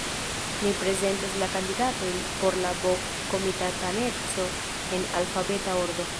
Ni prezentas la kandidatojn por la B-komitataneco en alfabeta ordo.